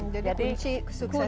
jadi kunci sukses itu tekun